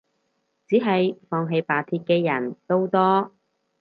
只係放棄罷鐵嘅人都多